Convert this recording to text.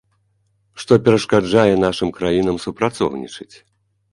Што перашкаджае нашым краінам супрацоўнічаць?